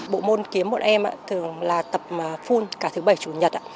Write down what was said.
bộ môn kiếm một em thường là tập phun cả thứ bảy chủ nhật